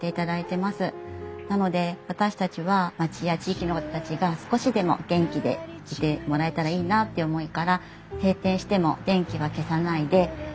なので私たちは町や地域の方たちが少しでも元気でいてもらえたらいいなという思いから閉店しても電気は消さないで明かりをともして帰ってます。